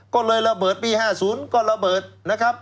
ก็เลยระเบิดปี๕๐ก็ระเบิดนะครับ